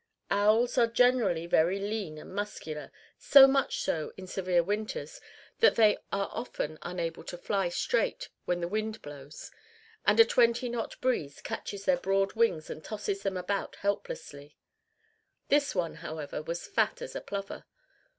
Owls are generally very lean and muscular; so much so, in severe winters, that they are often unable to fly straight when the wind blows; and a twenty knot breeze catches their broad wings and tosses them about helplessly. This one, however, was fat as a plover.